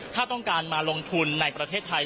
ถ้าต้องการมาลงทุนในประเทศไทย